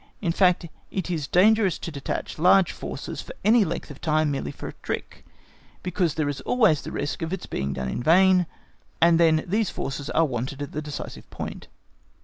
In fact, it is dangerous to detach large forces for any length of time merely for a trick, because there is always the risk of its being done in vain, and then these forces are wanted at the decisive point.